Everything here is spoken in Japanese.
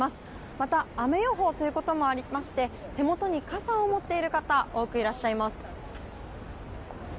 また、雨予報ということもありまして手元に傘を持っている方多くいらっしゃいます。